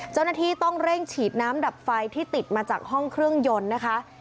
เจ้าหน้าที่ต้องเร่งฉีดน้ำดับไฟที่ติดมาจากห้องเครื่องยนต์นะคะ